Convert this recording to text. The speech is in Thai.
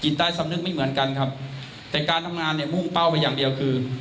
ใต้สำนึกไม่เหมือนกันครับแต่การทำงานเนี่ยมุ่งเป้าไปอย่างเดียวคือ